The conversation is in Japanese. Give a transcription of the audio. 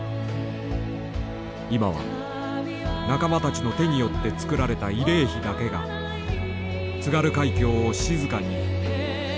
今は仲間たちの手によって造られた慰霊碑だけが津軽海峡を静かに見下ろしている。